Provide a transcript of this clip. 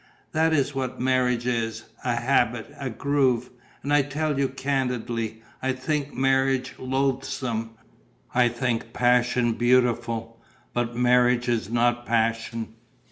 That is what marriage is: a habit, a groove. And I tell you candidly: I think marriage loathsome. I think passion beautiful, but marriage is not passion.